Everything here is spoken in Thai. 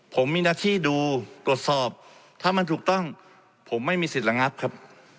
ผมมีหน้าที่ดูตรวจสอบถ้ามันถูกต้องผมไม่มีสิทธิ์ระงับครับ